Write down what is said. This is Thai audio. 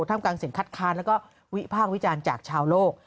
ทำกลางเสียงคัดค้านแล้วก็วิพากษ์วิจารณ์จากชาวโลก